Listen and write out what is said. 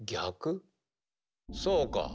そうか。